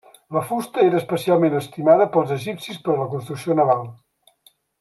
La fusta era especialment estimada pels egipcis per a la construcció naval.